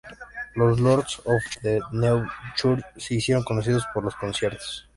Los Lords of the New Church se hicieron conocidos por sus conciertos.